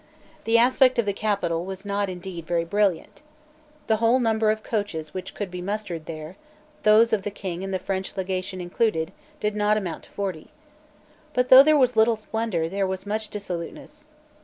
The aspect of the capital was indeed not very brilliant. The whole number of coaches which could be mustered there, those of the King and of the French Legation included, did not amount to forty, But though there was little splendour there was much dissoluteness.